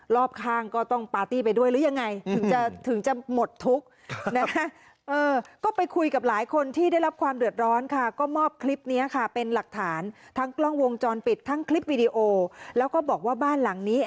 รอบข้างก็ต้องปาร์ตี้ไปด้วยหรือยังไง